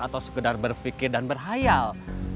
atau sekedar berpikir dan berhayal